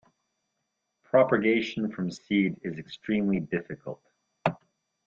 Propagation from seed is extremely difficult.